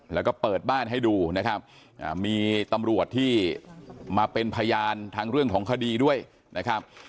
แล้วก็เปิดบ้านให้ดูนะครับมีตำรวจที่มาเป็นพยานทางเรื่องของคดีด้วยนะครับ